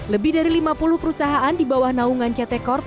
lebih dari lima puluh perusahaan di bawah naungan ct corp